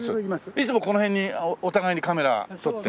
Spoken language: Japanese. いつもこの辺にお互いにカメラ撮って。